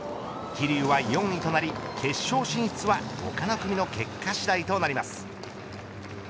桐生は４位となり、決勝進出は他の組の結果次第となります。